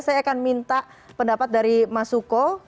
saya akan minta pendapat dari mas suko